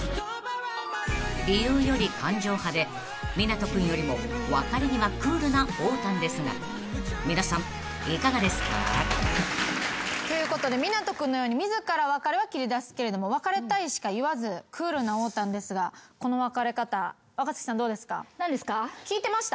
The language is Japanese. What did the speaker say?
［理由より感情派で湊斗君よりも別れにはクールなおーたんですが皆さんいかがですか？］ということで湊斗君のように自ら別れは切り出すけれども別れたいしか言わずクールなおーたんですがこの別れ方。聞いてました？